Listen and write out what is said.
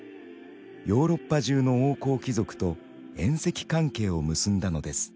ヨーロッパ中の王侯貴族と縁戚関係を結んだのです。